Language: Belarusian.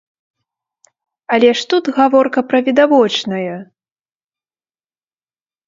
Але ж тут гаворка пра відавочнае.